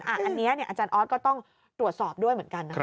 อันนี้อาจารย์ออสก็ต้องตรวจสอบด้วยเหมือนกันนะครับ